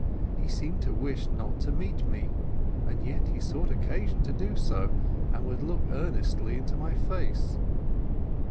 He seemed to wish not to meet me, and yet he sought occasion to do so, and would look earnestly into my face.